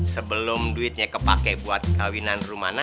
sebelum duitnya kepake buat kawinan rumana